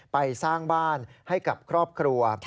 ไปสร้างบ้านให้กับครอบครัว